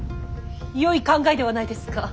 よい考えではないですか！